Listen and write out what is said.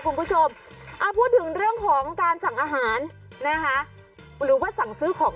คุณผู้ชมพูดถึงเรื่องของการสั่งอาหารนะคะหรือว่าสั่งซื้อของ